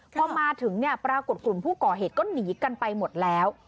พอมาถึงเนี่ยปรากฏกลุ่มผู้ก่อเหตุก็หนีกันไปหมดแล้ว